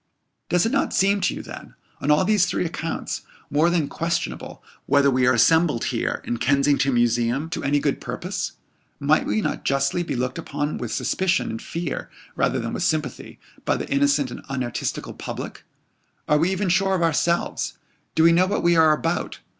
Does it not seem to you, then, on all these three counts, more than questionable whether we are assembled here in Kensington Museum to any good purpose? Might we not justly be looked upon with suspicion and fear, rather than with sympathy, by the innocent and unartistical public? Are we even sure of ourselves? Do we know what we are about?